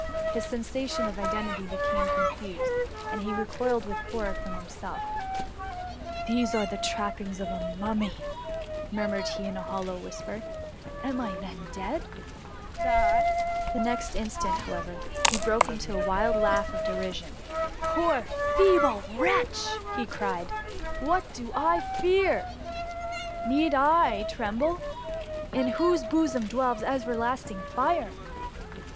His sensations of identity be came confused, and he recoiled with horror from himself :^^ These are the trappings of a mummy !"' murmured he in a hollow whisper. Am I then dead ?^ The next instaat, how^ ever, he broke into a wild laugh of derision t— *' Poor, feeble wretch!^ cried he; *' what do I fear ?— Need I tremble^ in whose bosom dwells everlasting fire